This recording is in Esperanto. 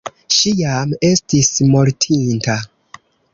Ŝi jam estis mortinta.